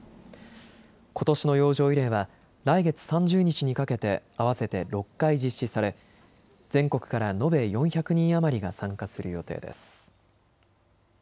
ことしの洋上慰霊は来月３０日にかけて合わせて６回実施され全国から延べ４００人余りが参加する予定です。